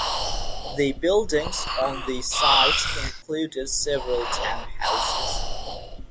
The buildings on the site included several townhouses.